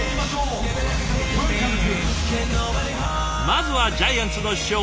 まずはジャイアンツの主将